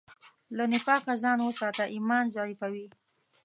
له نفاقه ځان وساته، ایمان ضعیفوي.